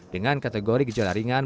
dengan kategori gejala ringan